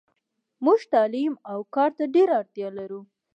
موږ تعلیم اوکارته ډیره اړتیالرو .